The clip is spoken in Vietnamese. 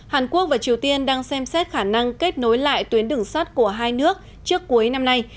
hàn quốc và triều tiên đang xem xét khả năng kết nối lại tuyến đường sắt của hai nước trước cuối năm nay